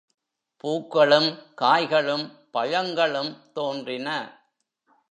பூக்களும், காய்களும், பழங்களும் தோன்றின.